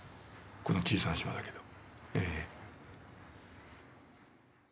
この小さな島だけど。